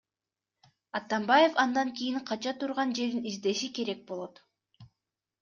Атамбаев андан кийин кача турган жерин издеши керек болот.